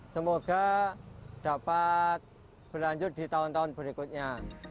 semoga dapat berlanjut di tahun tahun berikutnya